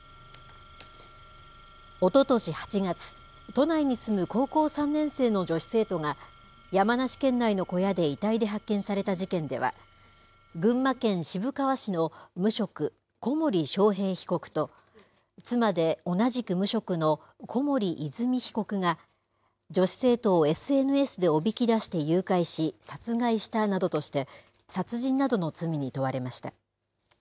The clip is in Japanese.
おととし８月、都内に住む高校３年生の女子生徒が、山梨県内の小屋で遺体で発見された事件では、群馬県渋川市の無職、小森章平被告と妻で同じく無職の小森和美被告が女子生徒をＳＮＳでおびき出して誘拐し、殺害したなどとして、殺人などの罪に問われました。